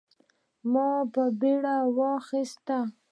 ما خپله بیړۍ واخیسته.